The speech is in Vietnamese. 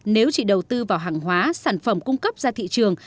nếu chỉ đầu tư vào hàng hóa sản phẩm cung cấp ra thị trường